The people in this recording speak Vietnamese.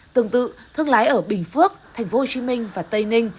tương tự thương lái ở bình phước tp hcm và tây ninh